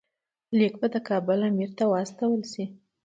لیک په کابل امیر ته واستول شي.